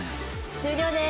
「終了です。